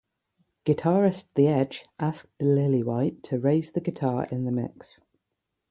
Guitarist the Edge asked Lillywhite to raise the guitar in the mix.